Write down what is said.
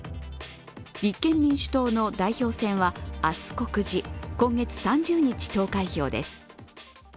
立憲民主党の代表戦は明日告示、今月３０日投開票です。